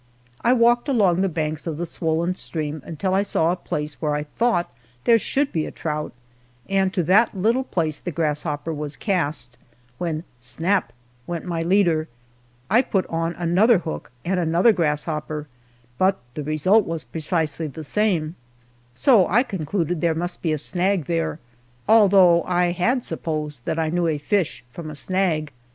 I walked along the banks of the swollen stream until I saw a place where I thought there should be a trout, and to that little place the grasshopper was cast, when snap! went my leader. I put on another hook and another grasshopper, but the result was precisely the same, so I concluded there must be a snag there, although I had supposed that I knew a fish from a snag!